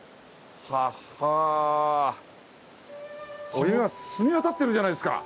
お湯が澄み渡ってるじゃないですか！